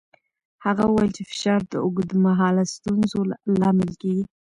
هغه وویل چې فشار د اوږدمهاله ستونزو لامل کېږي.